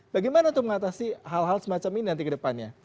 bagaimana untuk mengatasi hal hal semacam ini nanti kedepannya